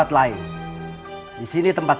terus bisa tak